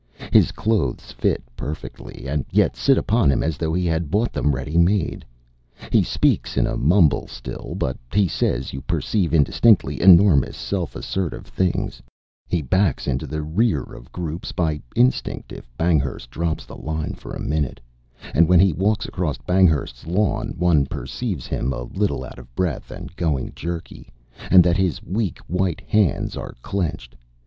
His clothes fit perfectly and yet sit upon him as though he had bought them ready made. He speaks in a mumble still, but he says, you perceive indistinctly, enormous self assertive things, he backs into the rear of groups by instinct if Banghurst drops the line for a minute, and when he walks across Banghurst's lawn one perceives him a little out of breath and going jerky, and that his weak white hands are clenched.